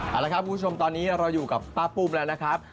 เอาละครับคุณผู้ชมตอนนี้เราอยู่กับป้าปุ้มแล้วนะครับ